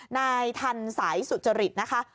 นายทันสายสุจริตนะคะ